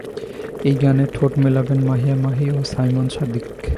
এই গানে ঠোঁট মেলাবেন মাহিয়া মাহি ও সাইমন সাদিক।